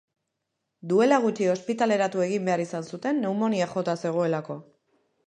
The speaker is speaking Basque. Duela gutxi ospitaleratu egin behar izan zuten pneumoniak jota zegoelako.